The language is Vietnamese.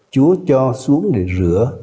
chúa cho xuống để rửa